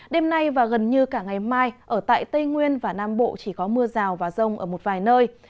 đêm nay và gần như cả ngày mai ở tại tây nguyên và nam bộ chỉ có mưa rào và rông ở một vài nơi